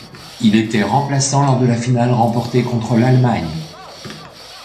Il était remplaçant lors de la finale remportée contre l’Allemagne.